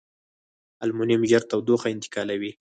المونیم ژر تودوخه انتقالوي.